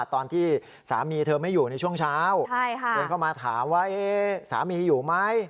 ตอนที่สามีเธอไม่อยู่ในช่วงเช้าเดินเข้ามาถามว่าสามีอยู่ไหม